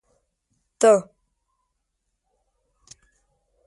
ته